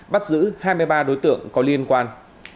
bắt giữ hai mươi ba đối tượng có liên quan